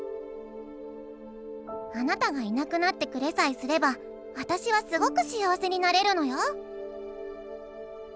「あなたがいなくなってくれさえすれば私はすごく幸せになれるのよ！」。